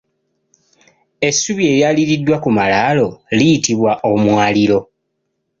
Essubi eryaliriddwa ku malaalo liyitibwa Omwaliiro.